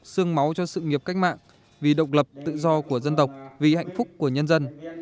sương máu cho sự nghiệp cách mạng vì độc lập tự do của dân tộc vì hạnh phúc của nhân dân